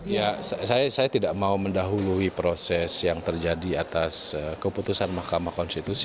ya saya tidak mau mendahului proses yang terjadi atas keputusan mahkamah konstitusi